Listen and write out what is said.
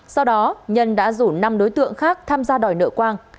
sau đó nhân đã rủ năm đối tượng khác tham gia đòi nợ quang